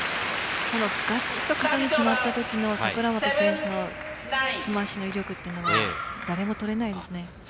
決まったときの櫻本選手のスマッシュの威力というのは誰も取れないですね。